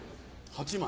８枚。